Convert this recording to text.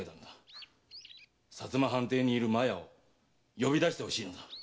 薩摩藩邸にいる麻耶を呼び出してほしいのだ。